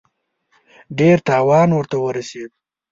ډېر تاوان ورته ورسېد.